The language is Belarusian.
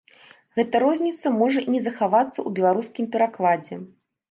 Гэта розніца можа і не захавацца ў беларускім перакладзе.